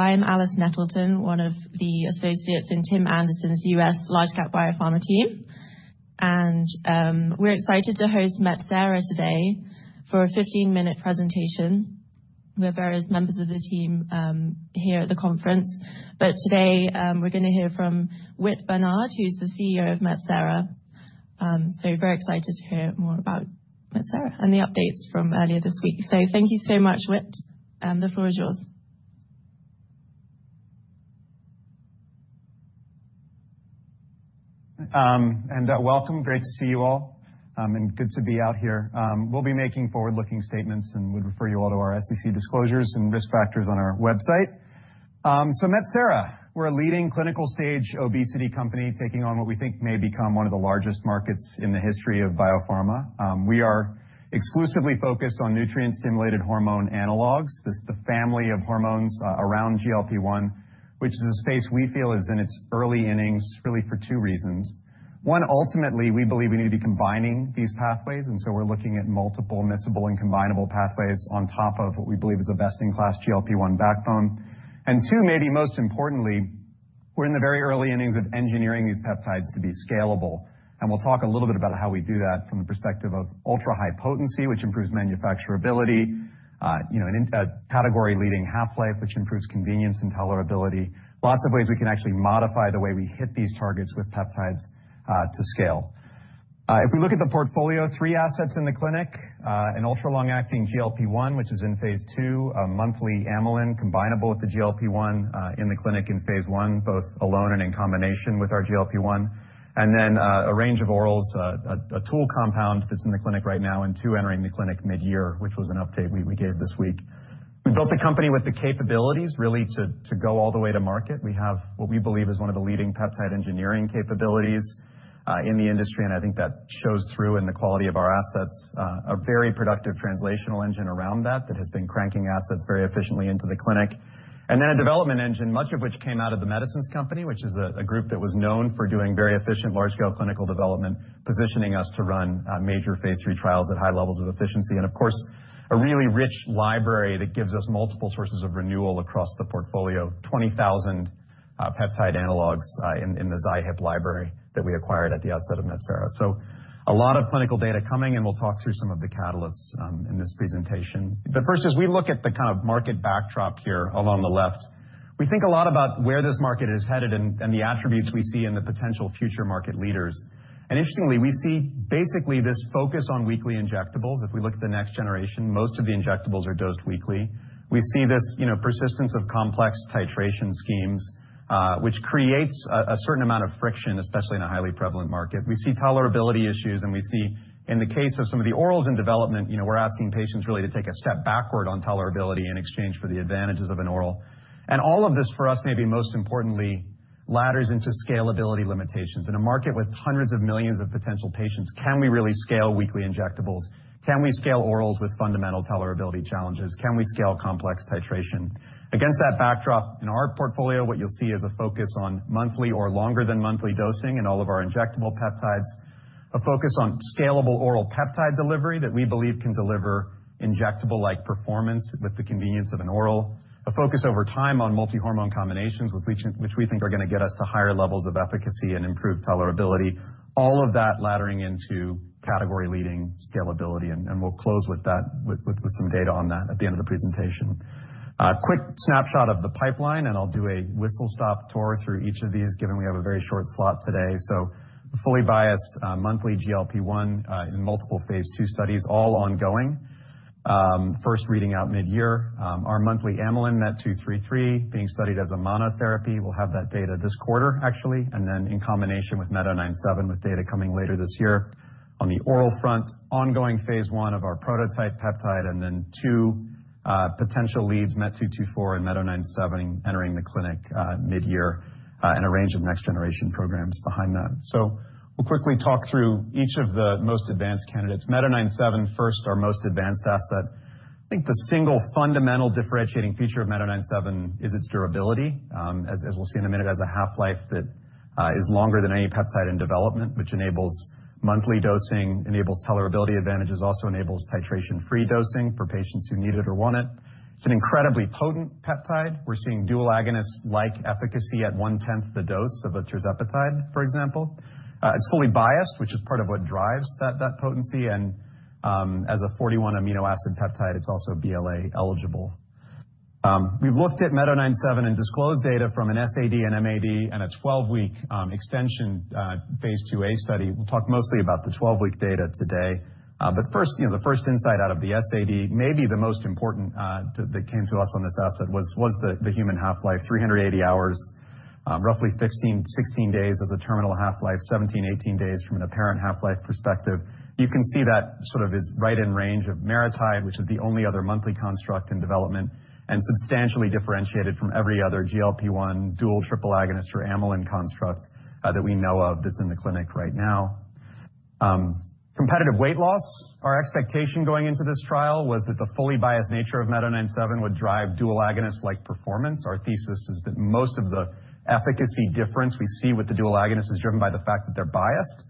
I'm Alice Nettleton, one of the associates in Tim Anderson's U.S. Large Cap Biopharma team. We're excited to host Metsera today for a 15-minute presentation. We have various members of the team here at the conference, but today we're going to hear from Whit Bernard, who's the CEO of Metsera. We're very excited to hear more about Metsera and the updates from earlier this week. Thank you so much, Whit, and the floor is yours. Welcome. Great to see you all and good to be out here. We'll be making forward-looking statements and would refer you all to our SEC disclosures and risk factors on our website. Metsera, we're a leading clinical stage obesity company taking on what we think may become one of the largest markets in the history of biopharma. We are exclusively focused on nutrient-stimulated hormone analogs, the family of hormones around GLP-1, which is a space we feel is in its early innings really for two reasons. One, ultimately, we believe we need to be combining these pathways, and we are looking at multiple missable and combinable pathways on top of what we believe is a best-in-class GLP-1 backbone. Two, maybe most importantly, we are in the very early innings of engineering these peptides to be scalable. We will talk a little bit about how we do that from the perspective of ultra-high potency, which improves manufacturability, a category-leading half-life, which improves convenience and tolerability, lots of ways we can actually modify the way we hit these targets with peptides to scale. If we look at the portfolio, three assets in the clinic: an ultra-long-acting GLP-1, which is in phase 2, a monthly amylin combinable with the GLP-1 in the clinic in phase 1, both alone and in combination with our GLP-1, and then a range of orals, a tool compound that is in the clinic right now, and two entering the clinic mid-year, which was an update we gave this week. We built the company with the capabilities really to go all the way to market. We have what we believe is one of the leading peptide engineering capabilities in the industry, and I think that shows through in the quality of our assets, a very productive translational engine around that that has been cranking assets very efficiently into the clinic. A development engine, much of which came out of the Medicines Company, which is a group that was known for doing very efficient large-scale clinical development, positioning us to run major phase 3 trials at high levels of efficiency. A really rich library that gives us multiple sources of renewal across the portfolio, 20,000 peptide analogs in the ZyHIP library that we acquired at the outset of Metsera. A lot of clinical data coming, and we'll talk through some of the catalysts in this presentation. First, as we look at the kind of market backdrop here along the left, we think a lot about where this market is headed and the attributes we see in the potential future market leaders. Interestingly, we see basically this focus on weekly injectables. If we look at the next generation, most of the injectables are dosed weekly. We see this persistence of complex titration schemes, which creates a certain amount of friction, especially in a highly prevalent market. We see tolerability issues, and we see in the case of some of the orals in development, we're asking patients really to take a step backward on tolerability in exchange for the advantages of an oral. All of this for us, maybe most importantly, ladders into scalability limitations. In a market with hundreds of millions of potential patients, can we really scale weekly injectables? Can we scale orals with fundamental tolerability challenges? Can we scale complex titration? Against that backdrop, in our portfolio, what you'll see is a focus on monthly or longer-than-monthly dosing in all of our injectable peptides, a focus on scalable oral peptide delivery that we believe can deliver injectable-like performance with the convenience of an oral, a focus over time on multi-hormone combinations, which we think are going to get us to higher levels of efficacy and improved tolerability, all of that laddering into category-leading scalability. We will close with some data on that at the end of the presentation. Quick snapshot of the pipeline, and I'll do a whistle-stop tour through each of these, given we have a very short slot today. Fully biased, monthly GLP-1 in multiple phase 2 studies, all ongoing. First reading out mid-year, our monthly amylin, MET-233, being studied as a monotherapy. We'll have that data this quarter, actually, and then in combination with MET-097, with data coming later this year. On the oral front, ongoing phase 1 of our prototype peptide, and then two potential leads, MET-224 and MET-097, entering the clinic mid-year, and a range of next-generation programs behind that. We'll quickly talk through each of the most advanced candidates. MET-097, first, our most advanced asset. I think the single fundamental differentiating feature of MET-097 is its durability, as we'll see in a minute, as a half-life that is longer than any peptide in development, which enables monthly dosing, enables tolerability advantages, also enables titration-free dosing for patients who need it or want it. It's an incredibly potent peptide. We're seeing dual agonist-like efficacy at one-tenth the dose of a tirzepatide, for example. It's fully biased, which is part of what drives that potency. As a 41-amino acid peptide, it's also BLA-eligible. We've looked at MET-097 and disclosed data from an SAD and MAD and a 12-week extension phase 2a study. We'll talk mostly about the 12-week data today. The first insight out of the SAD, maybe the most important that came to us on this asset, was the human half-life, 380 hours, roughly 15-16 days as a terminal half-life, 17-18 days from an apparent half-life perspective. You can see that sort of is right in range of meritide, which is the only other monthly construct in development, and substantially differentiated from every other GLP-1 dual, triple agonist, or amylin construct that we know of that's in the clinic right now. Competitive weight loss, our expectation going into this trial was that the fully biased nature of MET-097 would drive dual agonist-like performance. Our thesis is that most of the efficacy difference we see with the dual agonist is driven by the fact that they're biased.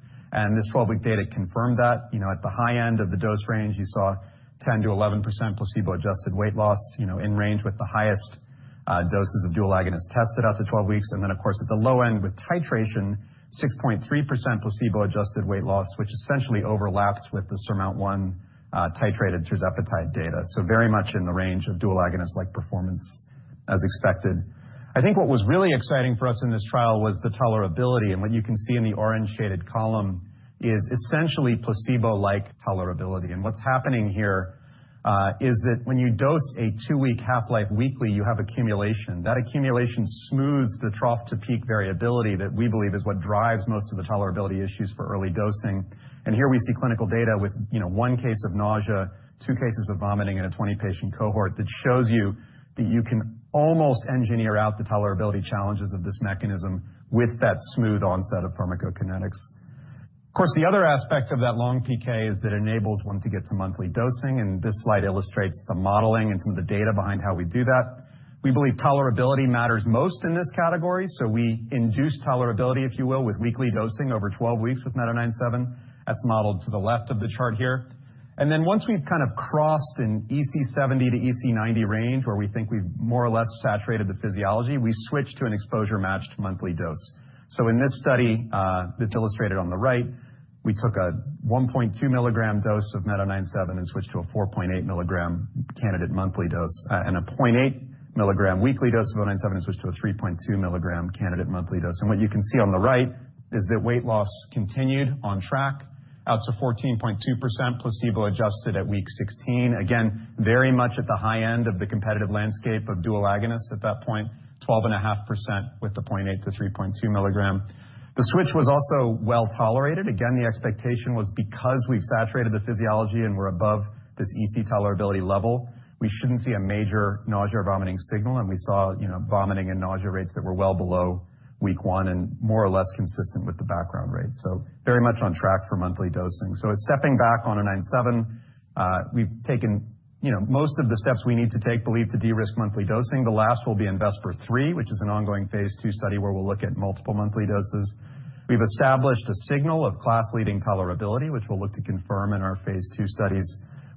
This 12-week data confirmed that. At the high end of the dose range, you saw 10-11% placebo-adjusted weight loss in range with the highest doses of dual agonist tested out to 12 weeks. Of course, at the low end with titration, 6.3% placebo-adjusted weight loss, which essentially overlaps with the SURMOUNT-1 titrated tirzepatide data. Very much in the range of dual agonist-like performance, as expected. I think what was really exciting for us in this trial was the tolerability. What you can see in the orange shaded column is essentially placebo-like tolerability. What's happening here is that when you dose a two-week half-life weekly, you have accumulation. That accumulation smooths the trough-to-peak variability that we believe is what drives most of the tolerability issues for early dosing. Here we see clinical data with one case of nausea, two cases of vomiting in a 20-patient cohort that shows you that you can almost engineer out the tolerability challenges of this mechanism with that smooth onset of pharmacokinetics. Of course, the other aspect of that long PK is that it enables one to get to monthly dosing. This slide illustrates the modeling and some of the data behind how we do that. We believe tolerability matters most in this category. We induce tolerability, if you will, with weekly dosing over 12 weeks with MET-097. That is modeled to the left of the chart here. Once we've kind of crossed an EC70 to EC90 range where we think we've more or less saturated the physiology, we switch to an exposure-matched monthly dose. In this study that's illustrated on the right, we took a 1.2 milligram dose of MET-097 and switched to a 4.8 milligram candidate monthly dose, and a 0.8 milligram weekly dose of MET-097 and switched to a 3.2 milligram candidate monthly dose. What you can see on the right is that weight loss continued on track out to 14.2% placebo-adjusted at week 16. Again, very much at the high end of the competitive landscape of dual agonists at that point, 12.5% with the 0.8 to 3.2 milligram. The switch was also well tolerated. The expectation was because we've saturated the physiology and we're above this EC tolerability level, we shouldn't see a major nausea or vomiting signal. We saw vomiting and nausea rates that were well below week one and more or less consistent with the background rate. Very much on track for monthly dosing. Stepping back on MET-097, we've taken most of the steps we need to take, we believe, to de-risk monthly dosing. The last will be InVesper 3, which is an ongoing phase 2 study where we'll look at multiple monthly doses. We've established a signal of class-leading tolerability, which we'll look to confirm in our phase 2 studies.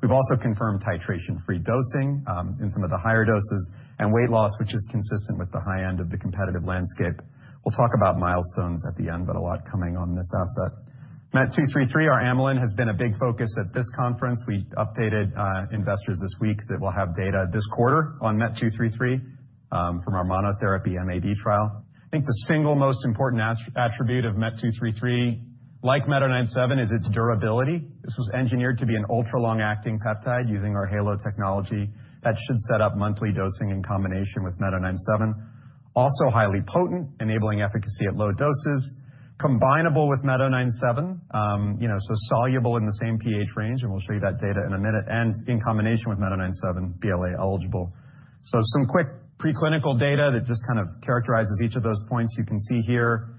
We've also confirmed titration-free dosing in some of the higher doses and weight loss, which is consistent with the high end of the competitive landscape. We'll talk about milestones at the end, but a lot coming on this asset. MET-233, our amylin, has been a big focus at this conference. We updated investors this week that we'll have data this quarter on MET-233 from our monotherapy MAD trial. I think the single most important attribute of MET-233, like MET-097, is its durability. This was engineered to be an ultra-long-acting peptide using our HALO technology that should set up monthly dosing in combination with MET-097. Also highly potent, enabling efficacy at low doses, combinable with MET-097, so soluble in the same pH range, and we'll show you that data in a minute, and in combination with MET-097, BLA-eligible. Some quick preclinical data that just kind of characterizes each of those points you can see here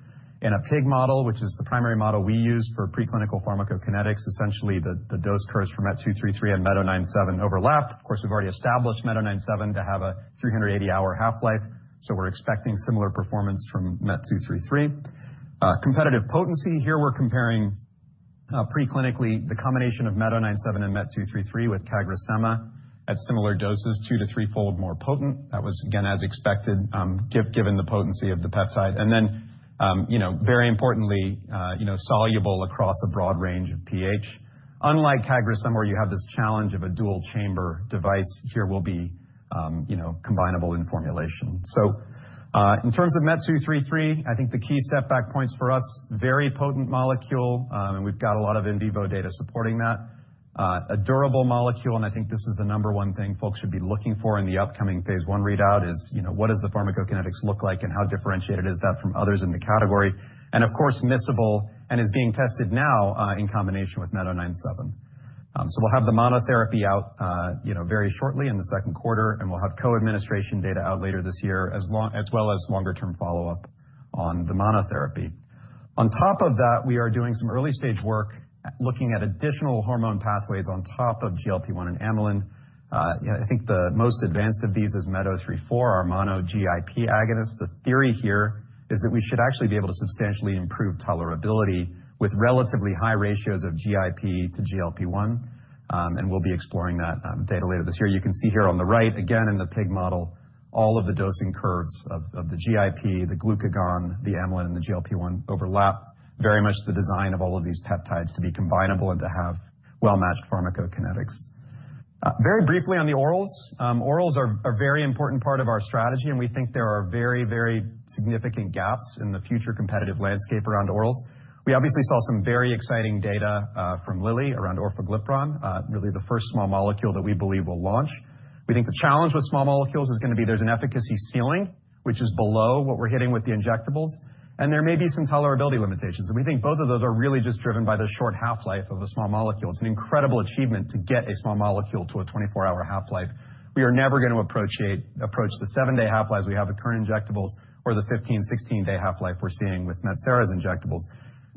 in a PIG model, which is the primary model we use for preclinical pharmacokinetics. Essentially, the dose curves for MET-233 and MET-097 overlap. Of course, we've already established MET-097 to have a 380-hour half-life, so we're expecting similar performance from MET-233. Competitive potency. Here we are comparing preclinically the combination of MET-097 and MET-233 with Cagrisema at similar doses, two- to threefold more potent. That was, again, as expected, given the potency of the peptide. Very importantly, soluble across a broad range of pH. Unlike Cagrisema, where you have this challenge of a dual chamber device, here it will be combinable in formulation. In terms of MET-233, I think the key step-back points for us: very potent molecule, and we have a lot of in vivo data supporting that. A durable molecule, and I think this is the number one thing folks should be looking for in the upcoming phase 1 readout, is what does the pharmacokinetics look like and how differentiated is that from others in the category. Of course, mixable and is being tested now in combination with MET-097. We'll have the monotherapy out very shortly in the second quarter, and we'll have co-administration data out later this year, as well as longer-term follow-up on the monotherapy. On top of that, we are doing some early-stage work looking at additional hormone pathways on top of GLP-1 and amylin. I think the most advanced of these is MET-34, our mono GIP agonist. The theory here is that we should actually be able to substantially improve tolerability with relatively high ratios of GIP to GLP-1, and we'll be exploring that data later this year. You can see here on the right, again, in the PIG model, all of the dosing curves of the GIP, the glucagon, the amylin, and the GLP-1 overlap. Very much the design of all of these peptides to be combinable and to have well-matched pharmacokinetics. Very briefly on the orals. Orals are a very important part of our strategy, and we think there are very, very significant gaps in the future competitive landscape around orals. We obviously saw some very exciting data from Lilly around orforglipron, really the first small molecule that we believe will launch. We think the challenge with small molecules is going to be there's an efficacy ceiling, which is below what we're hitting with the injectables, and there may be some tolerability limitations. We think both of those are really just driven by the short half-life of a small molecule. It's an incredible achievement to get a small molecule to a 24-hour half-life. We are never going to approach the seven-day half-lives we have with current injectables or the 15, 16-day half-life we're seeing with Metsera's injectables.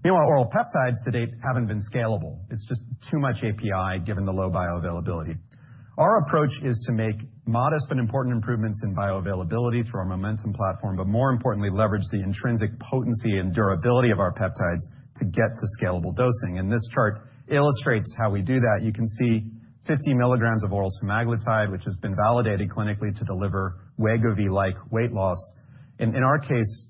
Meanwhile, oral peptides to date haven't been scalable. It's just too much API given the low bioavailability. Our approach is to make modest but important improvements in bioavailability through our momentum platform, but more importantly, leverage the intrinsic potency and durability of our peptides to get to scalable dosing. This chart illustrates how we do that. You can see 50 milligrams of oral semaglutide, which has been validated clinically to deliver Wegovy-like weight loss. In our case,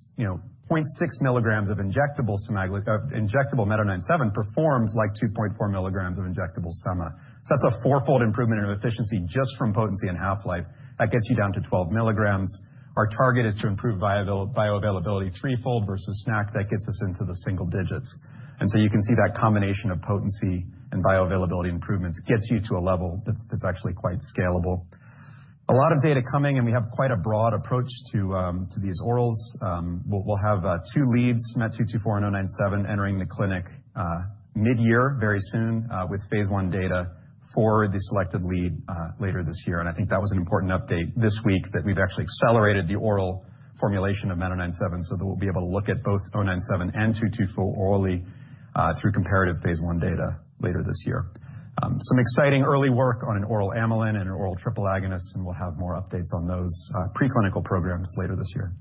0.6 milligrams of injectable MET-097 performs like 2.4 milligrams of injectable sema. That is a four-fold improvement in efficiency just from potency and half-life. That gets you down to 12 milligrams. Our target is to improve bioavailability threefold versus sema. That gets us into the single digits. You can see that combination of potency and bioavailability improvements gets you to a level that is actually quite scalable. A lot of data coming, and we have quite a broad approach to these orals. We'll have two leads, MET-224 and MET-097, entering the clinic mid-year very soon with phase I data for the selected lead later this year. I think that was an important update this week that we've actually accelerated the oral formulation of MET-097 so that we'll be able to look at both MET-097 and MET-224 orally through comparative phase I data later this year. Some exciting early work on an oral amylin and an oral triple agonist, and we'll have more updates on those preclinical programs later this year.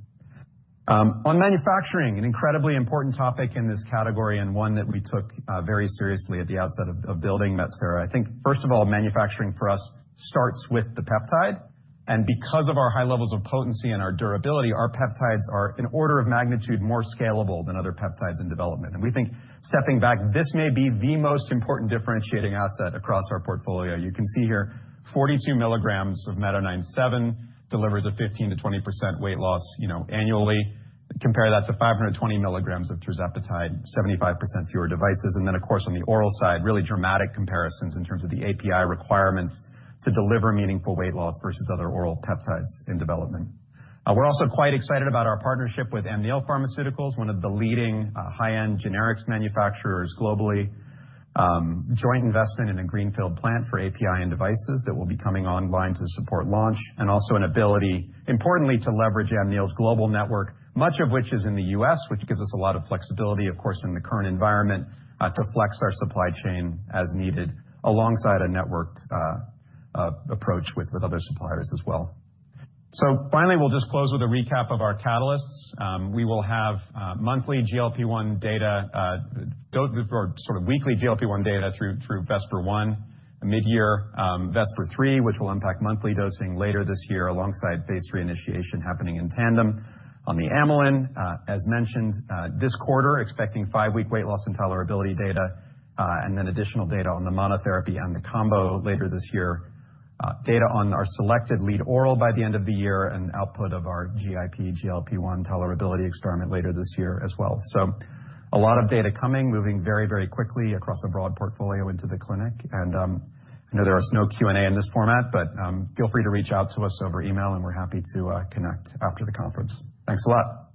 On manufacturing, an incredibly important topic in this category and one that we took very seriously at the outset of building Metsera. I think, first of all, manufacturing for us starts with the peptide. Because of our high levels of potency and our durability, our peptides are an order of magnitude more scalable than other peptides in development. We think stepping back, this may be the most important differentiating asset across our portfolio. You can see here, 42 mg of MET-097 delivers a 15%-20% weight loss annually. Compare that to 520 mg of tirzepatide, 75% fewer devices. Of course, on the oral side, really dramatic comparisons in terms of the API requirements to deliver meaningful weight loss versus other oral peptides in development. We are also quite excited about our partnership with Amnio Pharmaceuticals, one of the leading high-end generics manufacturers globally. Joint investment in a greenfield plant for API and devices that will be coming online to support launch. Also an ability, importantly, to leverage Amnio's global network, much of which is in the U.S., which gives us a lot of flexibility, of course, in the current environment to flex our supply chain as needed alongside a networked approach with other suppliers as well. Finally, we'll just close with a recap of our catalysts. We will have monthly GLP-1 data or sort of weekly GLP-1 data through Vesper 1, mid-year Vesper 3, which will impact monthly dosing later this year alongside phase 3 initiation happening in tandem on the amylin. As mentioned, this quarter, expecting five-week weight loss and tolerability data and then additional data on the monotherapy and the combo later this year. Data on our selected lead oral by the end of the year and output of our GIP GLP-1 tolerability experiment later this year as well. A lot of data coming, moving very, very quickly across a broad portfolio into the clinic. I know there is no Q&A in this format, but feel free to reach out to us over email, and we're happy to connect after the conference. Thanks a lot.